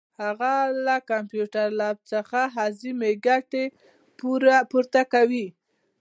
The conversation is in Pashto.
هغه له کمپیوټر لیب څخه اعظمي ګټه پورته کوي.